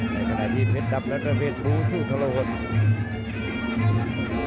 ในภัณฑ์ที่เทศกรรมนั้นประเภทรู้สู้ทะโลกศิษย์